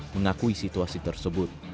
mengakui situasi tersebut